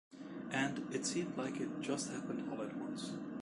And, it seemed like it just happened all at once.